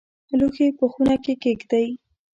لوښي په خونه کې کښېږدئ